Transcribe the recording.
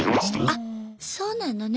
あっそうなのね。